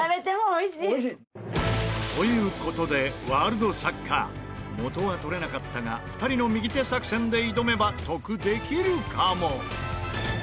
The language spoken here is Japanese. おいしい！という事で『ワールドサッカー』元は取れなかったが２人の右手作戦で挑めば得できるかも？